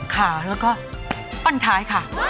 ขาแล้วก็ปั้นท้ายค่ะ